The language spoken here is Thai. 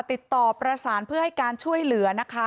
ติดต่อประสานเพื่อให้การช่วยเหลือนะคะ